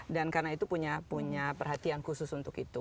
dan karena itu punya perhatian khusus untuk itu